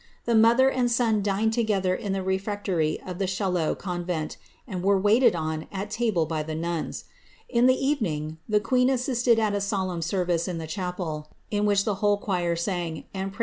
The mother and son dined together in the refectory of the Chaillot convent, and were waited on at table by the nuns. In the evening the queen assisted at a solemn ser vice in the chapel, in which the whole choir sung, and prayers were 'Secret History of the Reigns of Charles II.